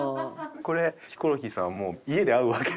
これヒコロヒーさんはもう家で会うわけですよね。